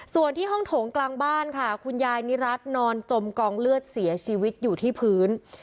ส่วนที่ห้องโถงกลางบ้านค่ะคุณยายนิรัตินอนจมกองเลือดเสียชีวิตอยู่ที่พื้น